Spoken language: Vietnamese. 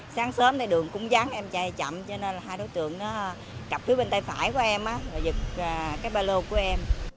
sáng sớm thì đường cũng rắn em chạy chậm cho nên hai đối tượng cặp phía bên tay phải của em và giật cái ba lô của em